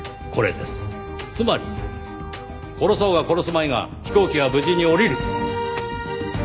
つまり殺そうが殺すまいが飛行機は無事に降りる！